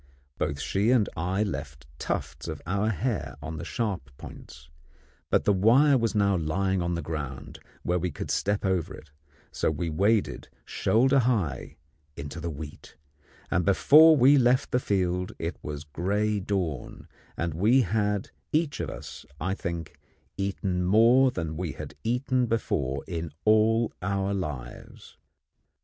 Both she and I left tufts of our hair on the sharp points, but the wire was now lying on the ground where we could step over it; so we waded shoulder high into the wheat, and before we left the field it was gray dawn, and we had each of us, I think, eaten more than we had eaten before in all our lives.